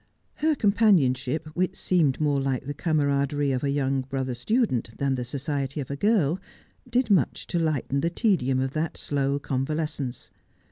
Her companion ship, which seemed more like the camaraderie of a young brother student than the society of a girl, did much to lighten the tedium of that slow convalescence.